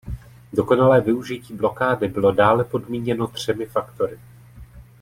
Dokonalé využití blokády bylo dále podmíněno třemi faktory.